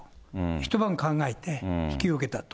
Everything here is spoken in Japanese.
一晩考えて引き受けたと。